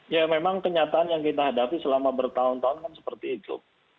ya memang kenyataan yang kita hadapi selama bertahun tahun kan seperti itu